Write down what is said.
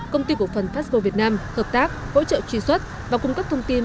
công ty cổ phần fasco việt nam hợp tác hỗ trợ truy xuất và cung cấp thông tin